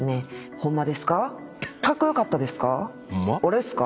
「ホンマですか？